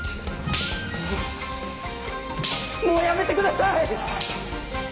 もうやめて下さい！